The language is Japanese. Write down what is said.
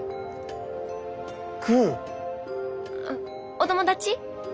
お友達？